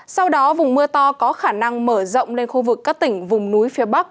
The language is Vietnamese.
sau đó vùng mưa to có khả năng mở rộng lên khu vực các tỉnh vùng núi phía bắc